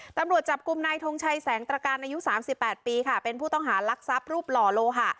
ตำรวจจับกลุ่มนายทงชัยแสงตรการอายุ๓๘ปีค่ะเป็นผู้ต้องหารักทรัพย์รูปหล่อโลหะ